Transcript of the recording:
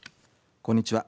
こんにちは。